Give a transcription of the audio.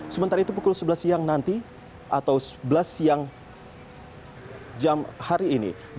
sementara itu pukul sebelas siang nanti atau sebelas siang jam hari ini